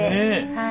はい。